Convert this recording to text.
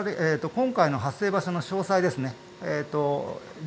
これは今回の発生場所の詳細です。